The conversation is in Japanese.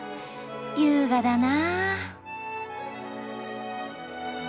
優雅だな。